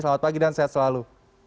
selamat pagi dan sehat selalu